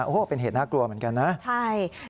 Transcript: โอ้โหเป็นเหตุน่ากลัวเหมือนกันนะใช่